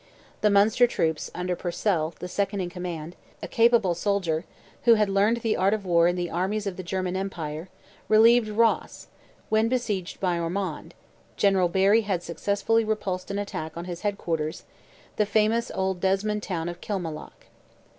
The Munster troops, under Purcell, the second in command, a capable soldier, who had learned the art of war in the armies of the German Empire, relieved Ross, when besieged by Ormond; General Barry had successfully repulsed an attack on his head quarters, the famous old Desmond town of Killmallock.